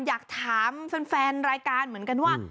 อยากถามแฟนรายการเหมือนกันว่า